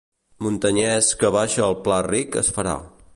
Muntanyès que baixa al pla ric es farà.